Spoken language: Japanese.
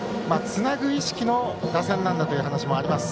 つなぐ意識の打線なんだという話もあります。